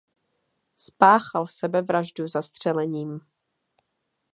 Spáchal sebevraždu zastřelením.